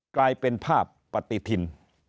กลายเป็นภาพปฏิทิน